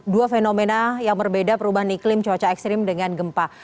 dua fenomena yang berbeda perubahan iklim cuaca ekstrim dengan gempa